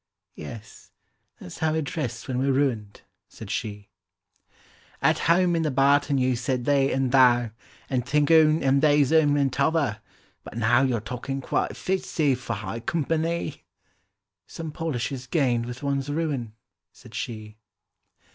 — "Yes: that's how we dress when we're ruined," said she. —"At home in the barton you said 'thee' and 'thou,' And 'thik oon,' and 'theäs oon,' and 't'other'; but now Your talking quite fits 'ee for high compa ny!"— "Some polish is gained with one's ruin," said she.